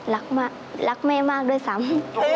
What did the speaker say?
รักแม่มากโดยสำ